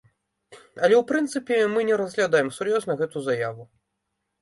Але ў прынцыпе мы не разглядаем сур'ёзна гэту заяву.